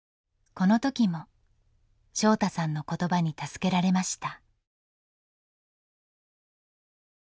この時も翔大さんの言葉に助けられました。